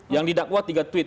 yang didakwa tiga tweet